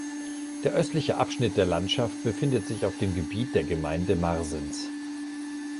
Der östliche Abschnitt der Landschaft befindet sich auf dem Gebiet der Gemeinde Marsens.